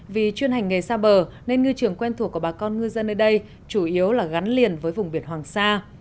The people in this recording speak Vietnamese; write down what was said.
vì chuyên hành nghề xa bờ nên ngư trường quen thuộc của bà con ngư dân ở đây chủ yếu là gắn liền với vùng biển hoàng sa